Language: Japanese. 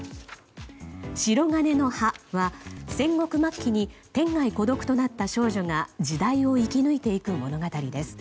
「しろがねの葉」は戦国末期に天涯孤独となった少女が時代を生き抜いていく物語です。